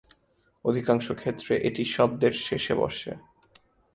অধিকাংশ ক্ষেত্রে এটি শব্দের শেষে বসে।